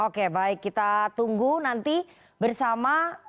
oke baik kita tunggu nanti bersama